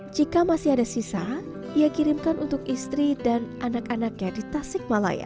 jika masih ada sisa ia kirimkan untuk istri dan anak anaknya di tasikmalaya